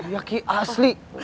ya ki asli lo gak asik